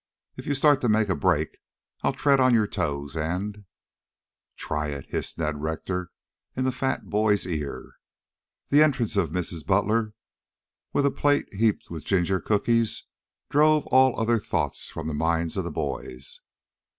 If you start to make a break I'll tread on your toes and " "Try it!" hissed Ned Rector in the fat boy's ear. The entrance of Mrs. Butler with a plate heaped with ginger cookies drove all other thoughts from the minds of the boys.